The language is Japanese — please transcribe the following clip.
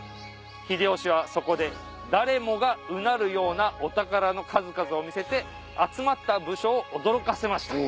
秀吉はそこで誰もがうなるようなお宝の数々を見せて集まった武将を驚かせました。